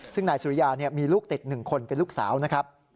ซึ่งนายสุริยามีลูกติด๑คนเป็นลูกสาวนะครับ